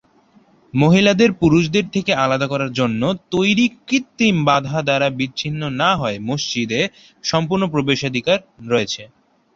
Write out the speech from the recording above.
মহিলাদের পুরুষদের থেকে আলাদা করার জন্য তৈরি কৃত্রিম বাধা দ্বারা বিচ্ছিন্ন না হয়ে মসজিদে সম্পূর্ণ প্রবেশাধিকার রয়েছে।